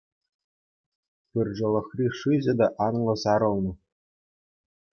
Пыршӑлӑхри шыҫӑ та анлӑ сарӑлнӑ.